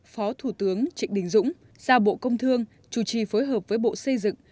phó thủ tướng trịnh đình dũng giao bộ công thương chủ trì phối hợp với bộ xây dựng